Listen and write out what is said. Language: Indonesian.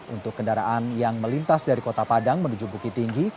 untuk kendaraan yang melintas dari kota padang menuju bukit tinggi